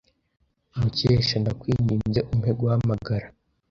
Mukesha, ndakwinginze umpe guhamagara.